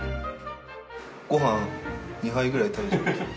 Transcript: ごはん２杯ぐらい食べちゃいます。